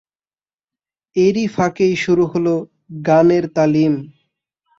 এরই ফাঁকেই শুরু হলো গানের তালিম।